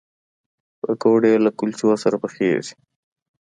پکورې له کلچو سره پخېږي